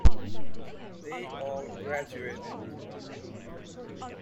They all graduated.